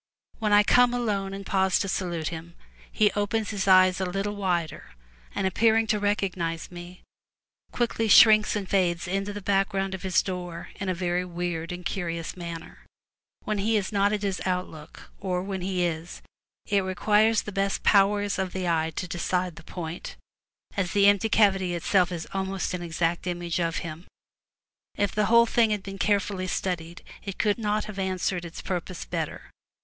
When I come alone and pause to salute him, he opens his eyes a little wider, and, appearing to recognize me, quickly shrinks and fades into the background of his door in a very weird and curious manner. When he is not at his outlook, or when he is, it requires the best powers of the eye to decide the point, as the empty cavity itself is almost an exact image of him. If the whole thing had been carefully studied it could not have answered its purpose better.